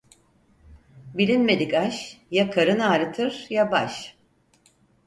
Bilinmedik aş, ya karın ağrıtır ya baş.